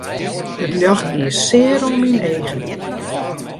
It ljocht die sear oan myn eagen.